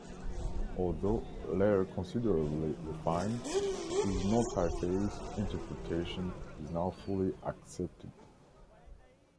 Although later considerably refined, his multi-phase interpretation is now fully accepted.